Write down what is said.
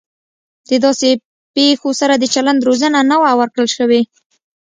د داسې پیښو سره د چلند روزنه نه وه ورکړل شوې